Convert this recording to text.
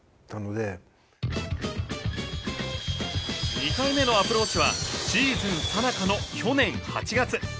２回目のアプローチはシーズンさなかの去年８月。